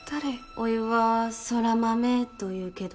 おいは空豆というけど